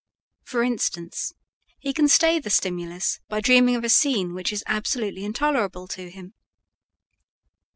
For instance, he can stay the stimulus by dreaming of a scene which is absolutely intolerable to him.